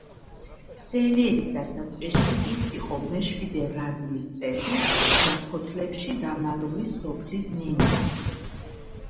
სერიების დასაწყისში ის იყო მეშვიდე რაზმის წევრი და ფოთლებში დამალული სოფლის ნინძა.